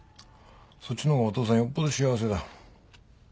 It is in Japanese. そっちの方がお父さんよっぽど幸せだ。